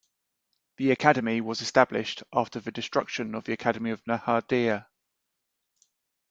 The academy was established after the destruction of the academy of Nehardea.